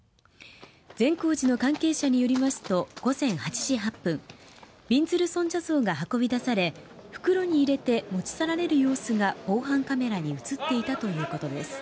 善光寺の関係者によりますと午前８時８分びんずる尊者像が運び出され袋に入れて持ち去られる様子が防犯カメラに映っていたということです。